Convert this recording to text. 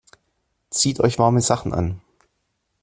Zieht euch warme Sachen an!